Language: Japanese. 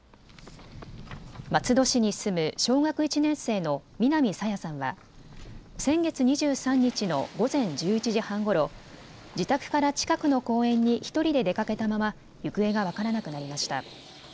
松戸市に住む小学１年生の南朝芽さんは先月２３日の午前１１時半ごろ自宅から近くの公園に１人で出かけたまま行方が分からなくなりました。